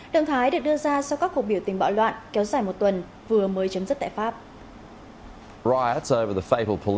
động thái được đưa ra sau các cuộc biểu tình bạo loạn kéo dài một tuần vừa mới chấm dứt tại pháp